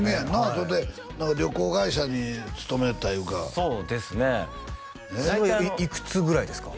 それで旅行会社に勤めてたいうかそうですねそれはいくつぐらいですか？